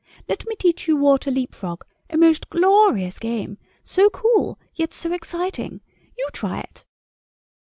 Let me teach you water leapfrog—a most glorious game, so cool, yet so exciting. You try it."